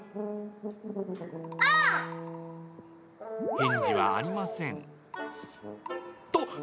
返事はありません。